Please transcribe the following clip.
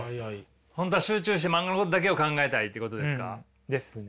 本当は集中して漫画のことだけを考えたいってことですか。ですね。